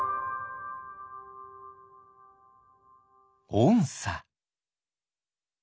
おんさ。